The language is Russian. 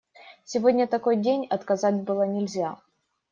Сегодня такой день – отказать было нельзя.